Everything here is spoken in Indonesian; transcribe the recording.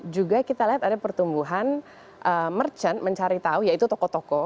juga kita lihat ada pertumbuhan merchant mencari tahu yaitu toko toko